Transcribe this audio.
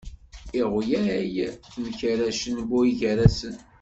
Iɣyal temkerraɛen buygarasen.